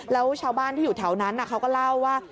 แล้วชาวบ้านที่อยู่แถวนั้นเขาก็เล่าว่า